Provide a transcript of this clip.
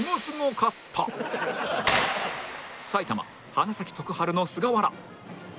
埼玉花咲徳栄の菅原